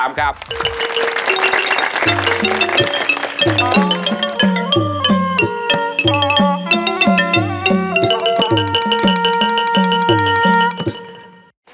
แต่ไหน